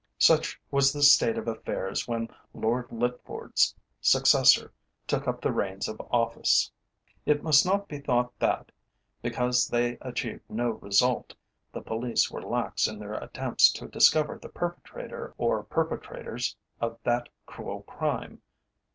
Such was the state of affairs when Lord Litford's successor took up the reins of office. It must not be thought that, because they achieved no result, the police were lax in their attempts to discover the perpetrator or perpetrators of that cruel crime.